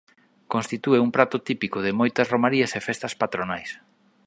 Constitúe un prato típico de moitas romarías e festas patronais.